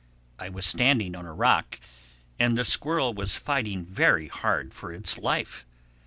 It was standing on a rock and the squirrel was fighting very hard for its life.